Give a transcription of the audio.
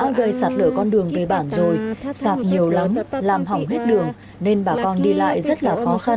hồi lũ lớn quá đã gây sạt lở con đường về bản rồi sạt nhiều lắm làm hỏng hết đường nên bà con đi lại rất là khó khăn